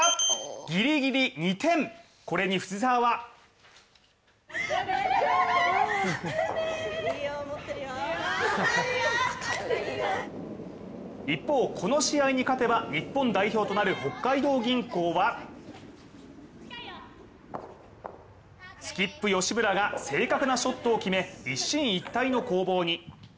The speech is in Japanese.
ギリギリ２点、これに藤澤は一方、この試合に勝てば日本代表となる北海道銀行はスキップ・吉村が正確なショットを決め一進一退の攻防に。